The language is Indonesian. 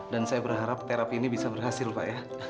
dan saya berharap terapi ini bisa berhasil pak ya